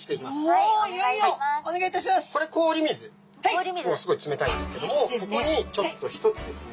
もうすごい冷たいんですけどもここにちょっと一つですね